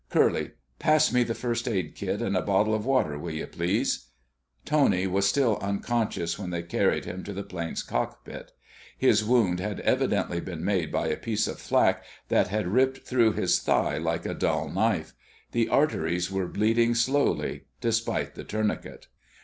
Curly, pass me the first aid kit and a bottle of water, will you, please?" Tony was still unconscious when they carried him to the plane's cockpit. His wound had evidently been made by a piece of flak that had ripped through his thigh like a dull knife. The arteries were bleeding slowly despite the tourniquet.